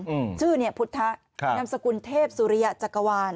อืมชื่อเนี้ยพุทธครับนามสกุลเทพสุริยะจักรวาล